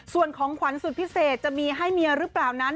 ส่วนของขวัญสุดพิเศษจะมีให้เมียหรือเปล่านั้น